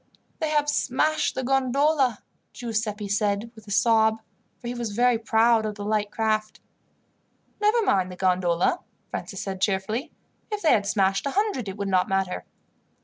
"They have smashed the gondola," Giuseppi said with a sob, for he was very proud of the light craft. "Never mind the gondola," Francis said cheerfully. "If they had smashed a hundred it would not matter."